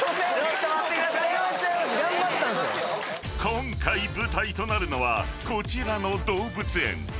［今回舞台となるのはこちらの動物園］